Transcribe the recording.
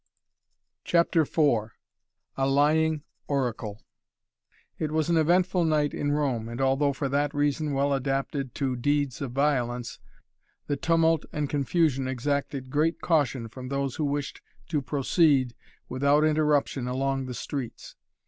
CHAPTER IV A LYING ORACLE It was an eventful night in Rome and, although for that reason well adapted to deeds of violence, the tumult and confusion exacted great caution from those who wished to proceed without interruption along the streets.